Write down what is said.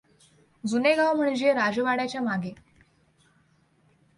जुने गाव म्हणजे राजवाड्याच्या मागे.